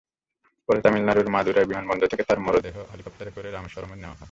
পরে তামিলনাড়ুর মাদুরাই বিমানবন্দর থেকে তাঁর মরদেহ হেলিকপ্টারে করে রামেশ্বরমে নেওয়া হয়।